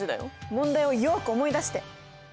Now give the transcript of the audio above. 問題をよく思い出して！